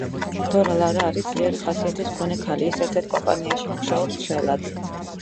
დორა ლარა არის ძლიერი ხასიათის მქონე ქალი, ის ერთ-ერთ კომპანიაში მუშაობს მცველად.